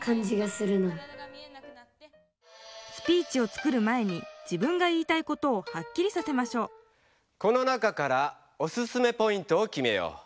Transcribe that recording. スピーチを作る前に自分が言いたいことをはっきりさせましょうこの中からオススメポイントをきめよう。